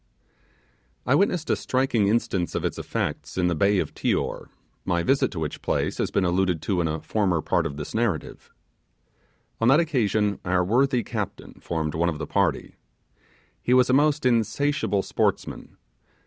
I witnessed a striking instance of its effects in the bay of Tior, my visit to which place has been alluded to in a former part of this narrative. On that occasion our worthy captain formed one of the party. He was a most insatiable sportsman.